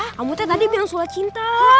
kamu tadi bilang sua cinta